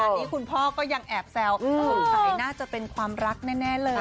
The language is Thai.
อันนี้คุณพ่อก็ยังแอบแซวสงสัยน่าจะเป็นความรักแน่เลย